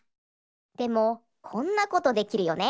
でもこんなことできるよね。